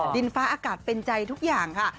ดินฟ้าอากาศเป็นใจทุกอย่างค่ะ